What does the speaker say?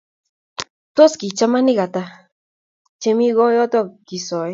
Tos ki chamanik Ata chemi koyoto kisoe?